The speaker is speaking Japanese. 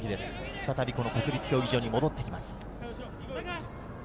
再び国立競技場に戻ってきます。